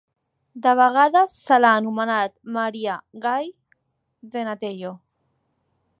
De vegades se l'ha anomenat Maria Gay Zenatello.